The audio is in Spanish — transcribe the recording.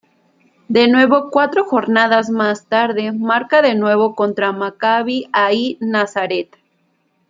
De nuevo cuatro jornadas más tarde marca de nuevo contra Maccabi Ahí Nazareth.